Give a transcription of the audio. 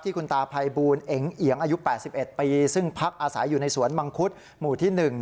คุณตาภัยบูลเอ็งเอียงอายุ๘๑ปีซึ่งพักอาศัยอยู่ในสวนมังคุดหมู่ที่๑